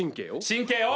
神経を！